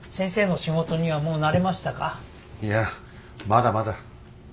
いやまだまだ。